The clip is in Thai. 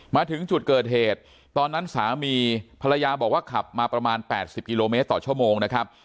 มาถึงจุดเกิดเหตุตอนนั้นสามีภรรยาบอกว่าขับมาประมาณ๘๐กิโลเมตรต่อชั่วโมงนะครับ